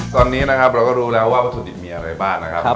ตอนนี้นะครับเราก็รู้แล้วว่าวัตถุดิบมีอะไรบ้างนะครับ